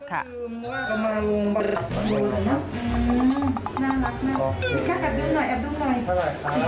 น่ารักนะ